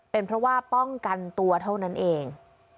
เป็นเพราะว่าป้องกันตัวเท่านั้นเอง